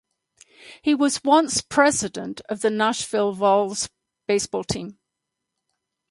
He was once president of the Nashville Vols baseball team.